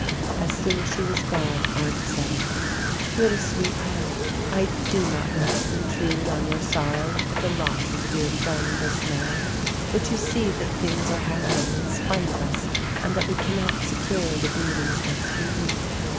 As soon as she was gone Arndt said, "Little sweet heart, I do not like to intrude on your sorrow at the loss of a dear friend just now, but you see that things are hap pening in spite of us and that we cannot secure the breath ing space we need.